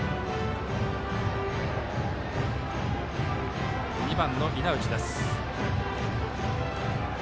バッターは２番の稲内。